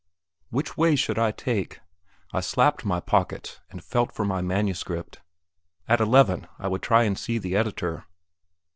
Which way should I take? I slapped my pockets and felt for my manuscript. At eleven I would try and see the editor.